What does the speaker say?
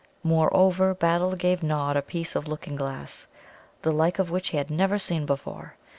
Moreover, Battle gave Nod a piece of looking glass, the like of which he had never seen before.